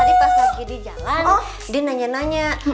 karena saat di jalan dia bertanya tanya